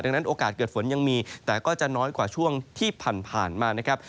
ดังนั้นโอกาสเกิดฝนยังมีแต่ก็จะน้อยกว่าช่วงที่ผ่านมานะครับ